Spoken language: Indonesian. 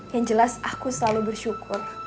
yang jelas aku selalu bersyukur